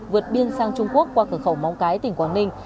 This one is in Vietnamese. vượt biên sang trung quốc qua cửa khẩu móng cái tỉnh quảng ninh